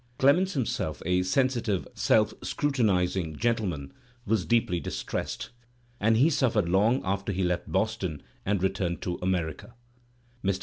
Clemens himself, a sensi tive, self scrutinizing, gentle man, was deeply distressed, , ^nd he suffered long after he left Boston and returned to ^[ America ^. Mr.